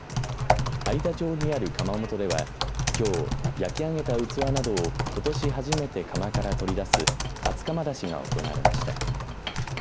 有田町にある窯元ではきょう、焼き上げた器などをことし初めて窯から取り出す初窯出しが行われました。